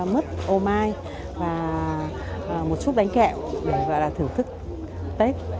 mứt ô mai và một chút bánh kẹo để thưởng thức tết